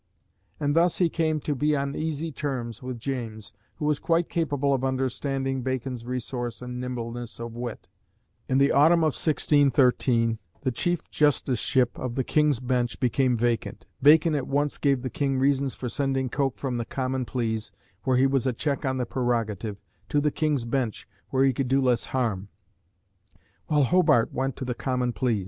And thus he came to be on easy terms with James, who was quite capable of understanding Bacon's resource and nimbleness of wit. In the autumn of 1613 the Chief Justiceship of the King's Bench became vacant. Bacon at once gave the King reasons for sending Coke from the Common Pleas where he was a check on the prerogative to the King's Bench, where he could do less harm; while Hobart went to the Common Pleas.